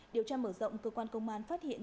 điều tra mở rộng cơ quan công an phát hiện